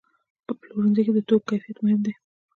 په پلورنځي کې د توکو کیفیت مهم دی.